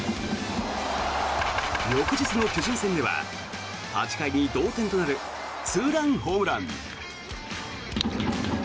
翌日の巨人戦では８回に、同点となるツーランホームラン。